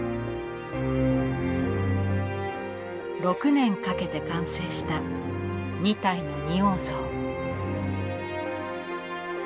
６年かけて完成した２体の仁王像。